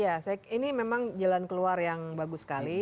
ya ini memang jalan keluar yang bagus sekali